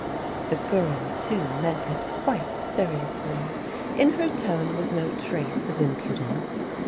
The girl, too, meant it quite seriously. In her tone was no trace of impudence.